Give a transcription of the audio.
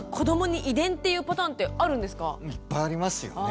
いっぱいありますよね。